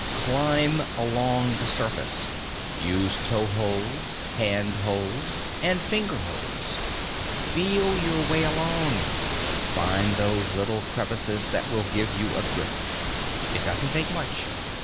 Climb along the surface. Use toeholds, handholds, and fingerholds. Feel your way along. Find those little crevices that will give you a grip. It doesn't take much.